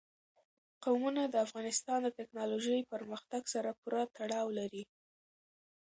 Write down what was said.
قومونه د افغانستان د تکنالوژۍ پرمختګ سره پوره تړاو لري.